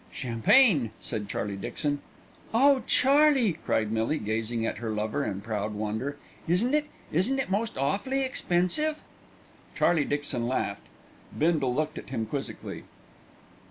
"Champagne!" said Charlie Dixon. "Oh, Charlie!" cried Millie, gazing at her lover in proud wonder. "Isn't it isn't it most awfully expensive?" Charlie Dixon laughed. Bindle looked at him quizzically.